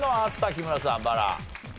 木村さんバラ。